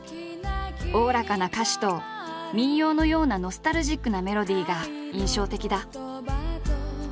おおらかな歌詞と民謡のようなノスタルジックなメロディが印象的だ。